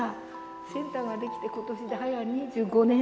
センターが出来てことしで早２５年。